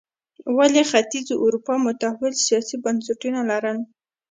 ولې ختیځې اروپا متحول سیاسي بنسټونه لرل.